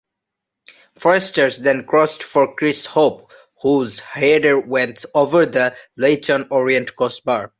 Forrester then crossed for Chris Hope whose header went over the Leyton Orient crossbar.